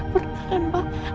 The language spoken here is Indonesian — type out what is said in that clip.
pernah kan pak